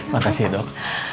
makasih ya dok